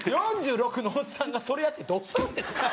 ４６のおっさんがそれやってどうするんですか？